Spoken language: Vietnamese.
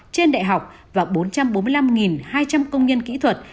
trên đại học và bốn trăm bốn mươi năm hai trăm linh công nhân kỹ thuật